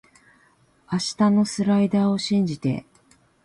あたしのスライダーを信じて